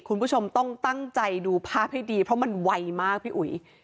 คุณผู้ชมต้องตั้งใจดูภาพให้ดีเพราะมันไวมากพี่อุ๋ย